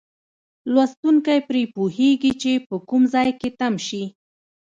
لوستونکی پرې پوهیږي چې په کوم ځای کې تم شي.